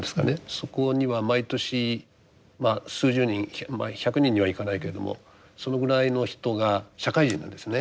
そこには毎年数十人１００人にはいかないけれどもそのぐらいの人が社会人なんですね